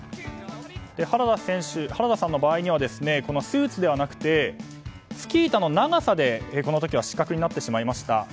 原田さんの場合にはスーツではなくてスキー板の長さでこの時は失格になってしまいました。